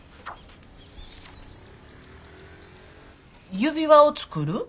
指輪を作る？